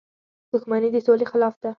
• دښمني د سولې خلاف ده.